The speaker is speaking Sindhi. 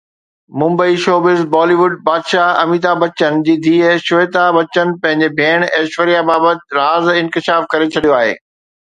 Mumbai (showbiz news) Bollywood بادشاهه اميتاڀ بچن جي ڌيءَ شويتا بچن پنهنجي ڀيڻ ايشوريا بابت راز انڪشاف ڪري ڇڏيو آهي.